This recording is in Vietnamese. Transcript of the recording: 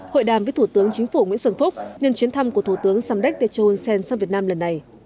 hội đàm với thủ tướng chính phủ nguyễn xuân phúc nhân chuyến thăm của thủ tướng samdech techo hun sen sang việt nam lần này